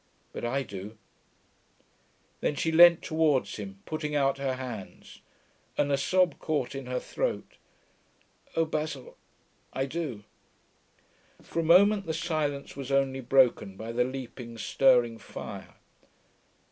'But I do.' Then she leant towards him, putting out her hands, and a sob caught in her throat. 'Oh, Basil I do.' For a moment the silence was only broken by the leaping, stirring fire.